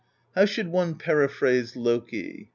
"How should one periphrase Loki?